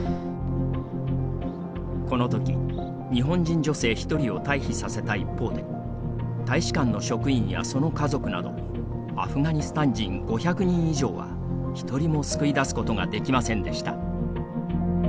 この時、日本人女性１人を退避させた一方で大使館の職員やその家族などアフガニスタン人５００人以上は１人も救い出すことができませんでした。